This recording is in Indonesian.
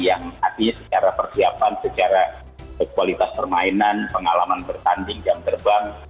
yang artinya secara persiapan secara kualitas permainan pengalaman bertanding jam terbang